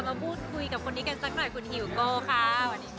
มาพูดคุยกับคนนี้กันสักหน่อยคุณฮิวโก้ค่ะ